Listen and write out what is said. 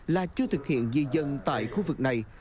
là chưa thực hiện di dân tại khu vực này